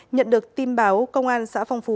nhận được tin báo công an xã phong phú